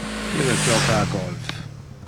Ille joca a golf.